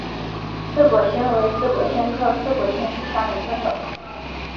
刺果藓为刺果藓科刺果藓属下的一个种。